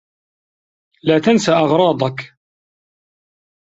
لا تنس أغراضك.